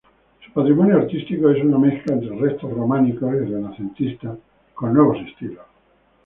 Su patrimonio artístico es una mezcla entre restos románicos y renacentistas, con nuevos estilos.